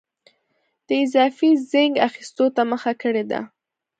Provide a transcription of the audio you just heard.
د اضافي زېنک اخیستو ته مخه کړې ده.